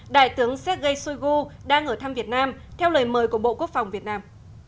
đại tướng sergei shoigu đang ở thăm việt nam theo lời mời của bộ quốc phòng việt nam